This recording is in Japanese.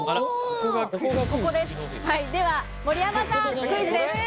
では盛山さんクイズです。